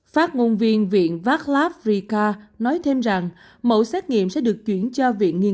phát ngôn viên viện václav rika nói thêm rằng mẫu xét nghiệm sẽ được chuyển cho viện nghiên